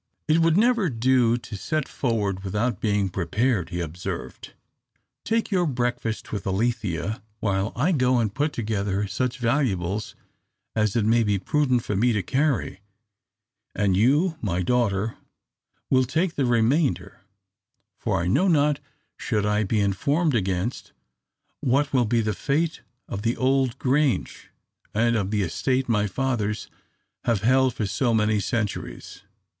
"It would never do to set forward without being prepared," he observed. "Take your breakfast with Alethea, while I go and put together such valuables as it may be prudent for me to carry; and you, my daughter, will take the remainder, for I know not, should I be informed against, what will be the fate of the old Grange and of the estate my fathers have held for so many centuries."